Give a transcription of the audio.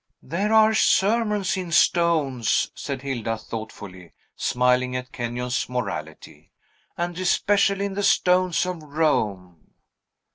"There are sermons in stones," said Hilda thoughtfully, smiling at Kenyon's morality; "and especially in the stones of Rome."